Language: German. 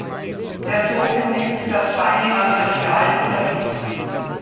Der Sog nimmt das feine Material wieder mit.